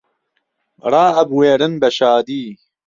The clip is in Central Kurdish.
ڕائەبوێرن بە شادی